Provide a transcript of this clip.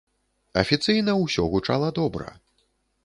Афіцыйна усё гучала добра.